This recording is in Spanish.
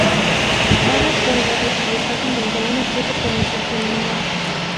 Ahora puedo recibir fácilmente una triple penetración anal".